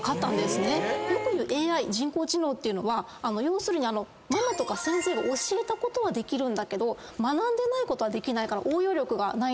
よく言うＡＩ人工知能っていうのは要するにママとか先生が教えたことはできるんだけど学んでないことはできないから応用力がないんですよね。